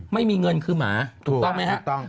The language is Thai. ไม่มีเงินคือหมาถูกต้องไหมครับ